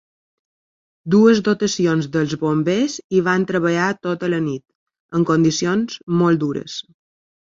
Dues dotacions dels bombers hi van treballar tota la nit, en condicions molt dures.